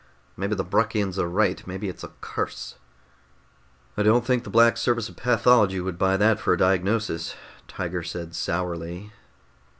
Maybe the Bruckians are right. Maybe it's a curse." "I don't think the Black Service of Pathology would buy that for a diagnosis," Tiger said sourly.